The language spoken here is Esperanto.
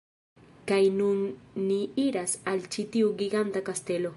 Kaj nun ni iras al ĉi tiu giganta kastelo